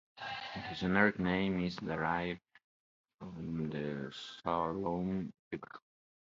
The generic name is derived from the Saloum River.